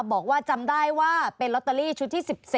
บอกว่าจำได้ว่าเป็นลอตเตอรี่ชุดที่๑๔